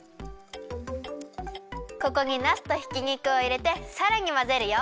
ここになすとひき肉をいれてさらにまぜるよ。